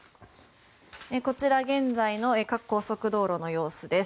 こちら、現在の各高速道路の様子です。